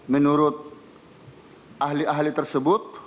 menurut ahli ahli tersebut